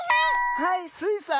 はいスイさん。